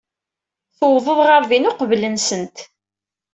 Tuwḍeḍ ɣer din uqbel-nsent.